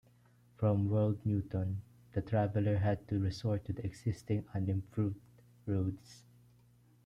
From Wold Newton, the traveller had to resort to the existing unimproved roads.